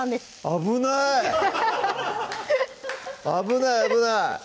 危ない危ない危ない！